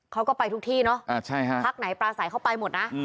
เขาก็ไปทุกที่เนอะพักไหนปลาใสเข้าไปหมดนะ